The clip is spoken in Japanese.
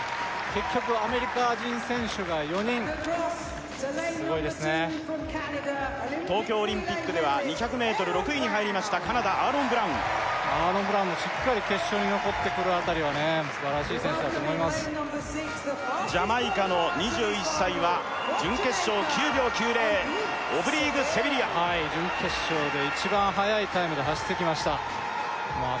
結局アメリカ人選手が４人すごいですね東京オリンピックでは２００ｍ６位に入りましたカナダアーロン・ブラウンアーロン・ブラウンもしっかり決勝に残ってくるあたりはね素晴らしい選手だと思いますジャマイカの２１歳は準決勝９秒９０オブリーグ・セビリアはい準決勝で一番速いタイムで走ってきましたまあ